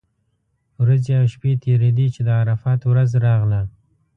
ورځې او شپې تېرېدې چې د عرفات ورځ راغله.